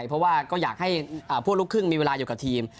เพราะว่าก็อยากให้พวกลูกครึ่งมีเวลาอยู่กับทีม